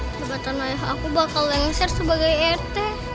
kebetulan ayah aku bakal langsir sebagai rt